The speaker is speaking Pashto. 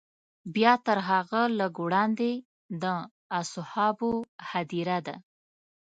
بیا تر هغه لږ وړاندې د اصحابو هدیره ده.